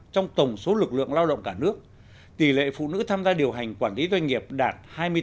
trong tổng số lực lượng lao động cả nước tỷ lệ phụ nữ tham gia điều hành quản lý doanh nghiệp đạt hai mươi bốn